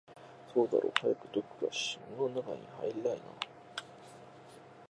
そうだろう、早くどこか室の中に入りたいもんだな